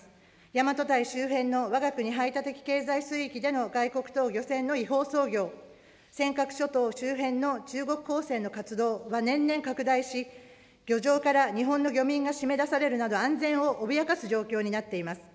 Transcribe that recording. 大和堆周辺のわが国排他的経済水域での外国等漁船の違法操業、尖閣諸島周辺の中国公船の活動は年々拡大し、漁場から日本の漁民が締め出されるなど、安全を脅かす状況になっています。